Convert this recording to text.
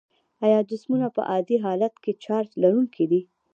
آیا جسمونه په عادي حالت کې چارج لرونکي دي؟